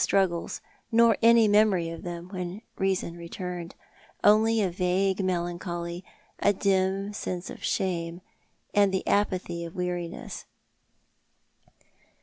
327 struggles, nor any memory of them when reason rettirncd — finly a vagne melancholy, a dim sense of shame, and the apathy of weariness.